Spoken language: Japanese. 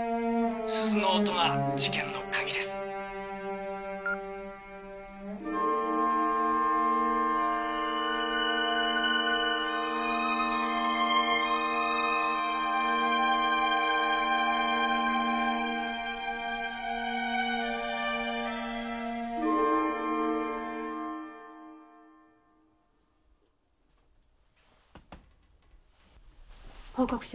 「鈴の音が事件のカギです」報告書。